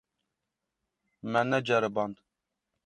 Me neceriband.